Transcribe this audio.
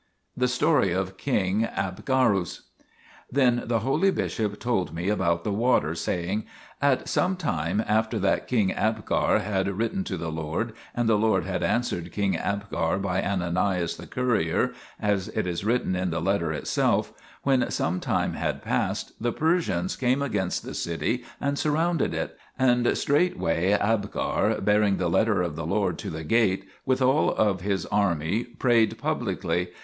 THE STORY OF KING ABGARUS Then the holy bishop told me about the water, saying :" At some time, after that King Abgar had written to the Lord, and the Lord had answered King Abgar by Ananias the courier as it is written in the letter itself when some time had passed, the Persians came against the city and surrounded it. And straightway Abgar, bearing the letter of the Lord to the gate, with all his army, prayed publicly.